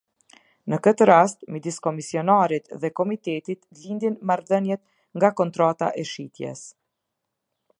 Në këtë rast midis komisionarit dhe komitentit lindin marrëdhëniet nga kontrata e shitjes.